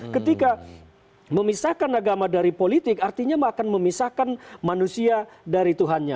ketika memisahkan agama dari politik artinya akan memisahkan manusia dari tuhannya